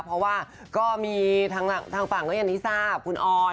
เพราะว่าก็มีทางฝั่งทางฝั่งโยวิอันนิซาคุณออน